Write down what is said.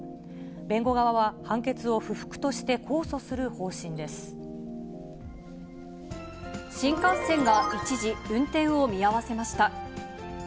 弁護側は判決を不服として控訴す新幹線が一時、運転を見合わせました。